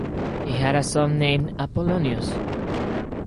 He had a son named Apollonius.